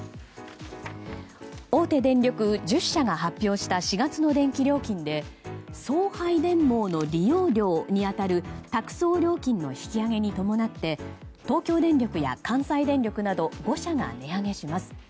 大手電力１０社が発表した４月の電気料金で送配電網の利用料に当たる託送料金の引き上げに伴って東京電力や関西電力など５社が値上げします。